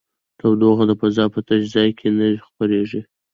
تودوخه د فضا په تش ځای کې نه خپرېږي.